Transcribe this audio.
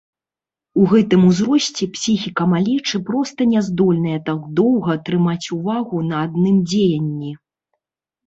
У гэтым узросце псіхіка малечы проста няздольная так доўга трымаць увагу на адным дзеянні.